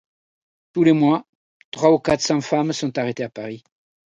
Tous les mois, trois ou quatre cents femmes sont arrêtées à Paris.